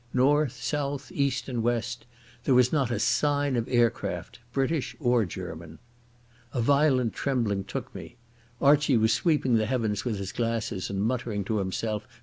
North, south, east, and west, there was not a sign of aircraft, British or German. A violent trembling took me. Archie was sweeping the heavens with his glasses and muttering to himself.